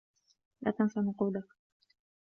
لا تنس نقودك.